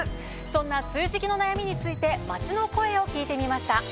そんな梅雨時期の悩みについて街の声を聞いてみました。